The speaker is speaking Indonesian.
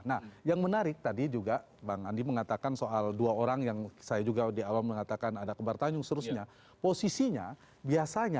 nah yang menarik tadi juga bang andi mengatakan soal dua orang yang saya juga di awal mengatakan ada kembar tangan